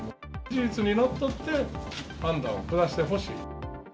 事実にのっとって判断を下してほしい。